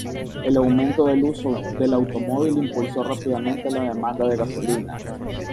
El aumento del uso del automóvil impulsó rápidamente la demanda de gasolina.